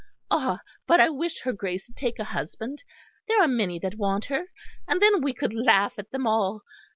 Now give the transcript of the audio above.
Ah! but I wish her Grace 'd take a husband; there are many that want her; and then we could laugh at them all.